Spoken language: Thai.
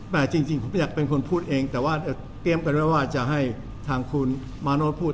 แต่จริงผมอยากเป็นคนพูดเองแต่ว่าเตรียมกันไว้ว่าจะให้ทางคุณมาโน้ตพูด